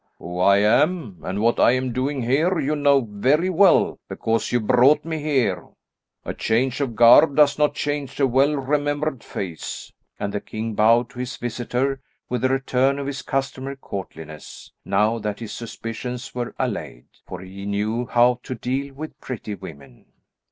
"Who I am, and what I am doing here, you know very well, because you brought me here. A change of garb does not change a well remembered face," and the king bowed to his visitor with a return of his customary courtliness, now that his suspicions were allayed, for he knew how to deal with pretty women.